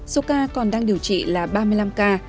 số ca còn đang điều trị là ba mươi năm ca